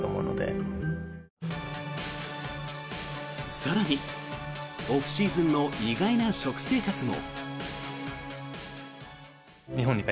更に、オフシーズンの意外な食生活も。